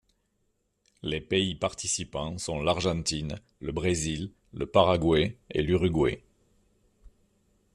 Les pays participants sont l'Argentine, le Brésil, le Paraguay et l'Uruguay.